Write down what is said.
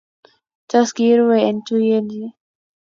Tos kiirue eng tuiyet ii?